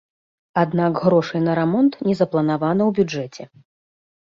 Аднак грошай на рамонт не запланавана ў бюджэце.